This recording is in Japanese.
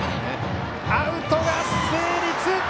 アウトが成立！